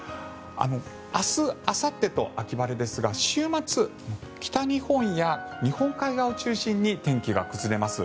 明日あさってと秋晴れですが週末、北日本や日本海側を中心に天気が崩れます。